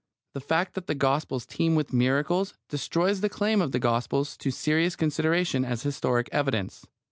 The fact that the Gospels teem with miracles destroys the claim of the Gospels to serious consideration as historic evidence.